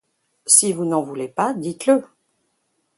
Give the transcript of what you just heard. Si vous n'en voulez pas, dites-le.